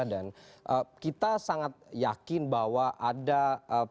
dan kita sangat yakin bahwa ada perspektif yang ingin diperoleh